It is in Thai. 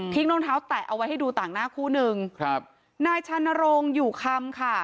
รองเท้าแตะเอาไว้ให้ดูต่างหน้าคู่หนึ่งครับนายชานโรงอยู่คำค่ะ